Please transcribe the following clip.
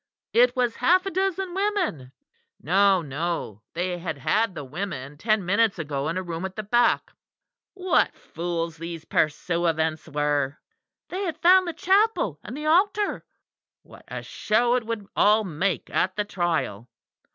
It was half a dozen women. No, no! they had had the women ten minutes ago in a room at the back. What fools these pursuivants were! They had found the chapel and the altar. What a show it would all make at the trial!